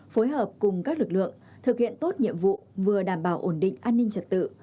phối hợp cùng các lực lượng thực hiện tốt nhiệm vụ vừa đảm bảo ổn định an ninh trật tự